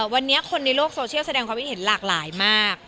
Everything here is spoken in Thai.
วันนี้คนในโลกโซเชียลแสดงความคิดเห็นหลากหลายมาก